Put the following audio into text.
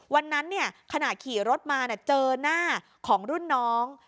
วันนั้นขณะขี่รถมาเจอหน้าของรุ่นน้อง